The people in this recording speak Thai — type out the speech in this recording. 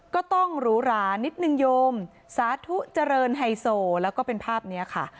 ก็ต้องหรูหรานิดนึงโยมสาธุเจริญไฮโซแล้วก็เป็นภาพนี้ค่ะ